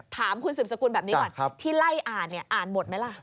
ถามคุณสืบสกุลแบบนี้ก่อนที่ไล่อ่านเนี่ยอ่านหมดไหมล่ะ